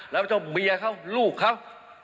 รับผิดชอบเมียเขาลูกเขา